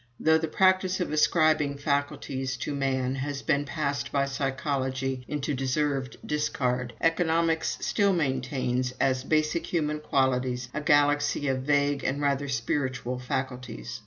Though the practice of ascribing 'faculties' to man has been passed by psychology into deserved discard, Economics still maintains, as basic human qualities, a galaxy of vague and rather spiritual faculties.